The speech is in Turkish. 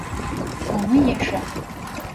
Anı yaşa.